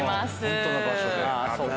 ホントの場所で。